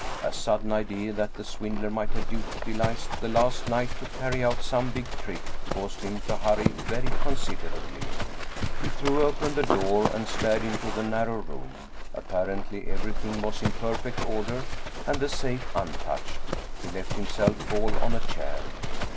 A sudden idea that the swindler might have utilized the last night to carry out some big trick caused him to hurry very considerably. 29 German Mystery Stories He threw open the door and stared into the narrow room. Apparently everything was in perfect order and the safe untouched. He let himself fall on a chair.